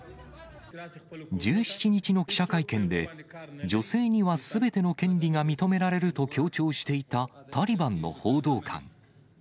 １７日の記者会見で、女性にはすべての権利が認められると強調していたタリバンの報道官。